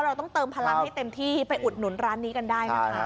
เราต้องเติมพลังให้เต็มที่ไปอุดหนุนร้านนี้กันได้นะคะ